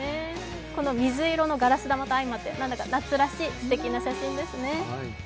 この水色のガラス玉と相まって何だか夏らしいすてきな写真ですね。